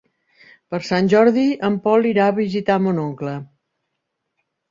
Per Sant Jordi en Pol irà a visitar mon oncle.